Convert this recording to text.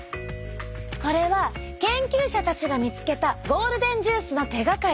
これは研究者たちが見つけたゴールデンジュースの手がかり。